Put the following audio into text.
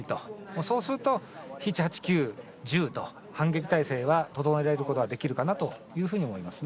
そうすると７、８、９、１０と反撃態勢は整えられることができるかなというふうに思いますね。